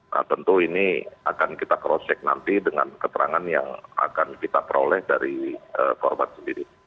nah tentu ini akan kita cross check nanti dengan keterangan yang akan kita peroleh dari korban sendiri